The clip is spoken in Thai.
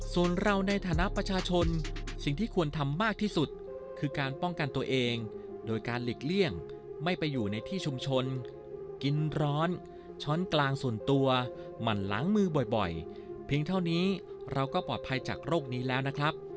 ส่วนเราในฐานะประชาชนสิ่งที่ควรทำมากที่สุดคือการป้องกันตัวเองโดยการหลีกเลี่ยงไม่ไปอยู่ในที่ชุมชนกินร้อนช้อนกลางส่วนตัวหมั่นล้างมือบ่อยเพียงเท่านี้เราก็ปลอดภัยจากโรคนี้แล้วนะครับ